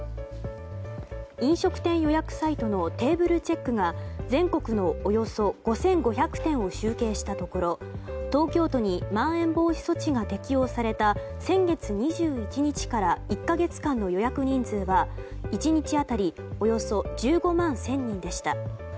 飲食店予約サイトのＴａｂｌｅＣｈｅｃｋが全国のおよそ５５００店を集計したところ東京都にまん延防止措置が適用された先月２１日から１か月間の予約人数は１日当たりおよそ１５万１０００人でした。